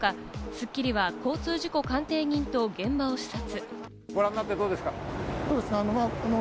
『スッキリ』は交通事故鑑定人と現場を視察。